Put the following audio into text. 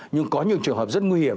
nhưng có những trường hợp rất nguy hiểm